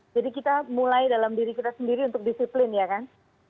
jadi kita mulai dalam diri kita sendiri untuk disiplin ya kan